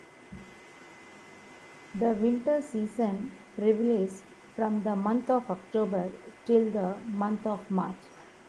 The winter season prevails from the month of October till the month of March.